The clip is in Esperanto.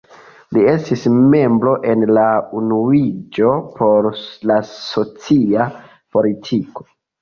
Li estis membro en la „Unuiĝo por la socia politiko”.